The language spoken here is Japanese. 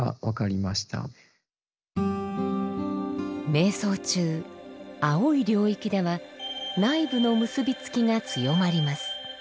瞑想中青い領域では内部の結び付きが強まります。